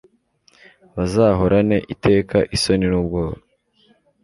bazahorane iteka isoni n'ubwoba